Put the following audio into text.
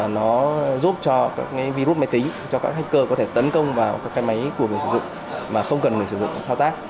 nó giúp cho các virus máy tính cho các hacker có thể tấn công vào các cái máy của người sử dụng mà không cần người sử dụng thao tác